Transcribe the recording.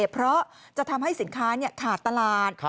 เพราะจะทำให้สินค้าขาดตลาด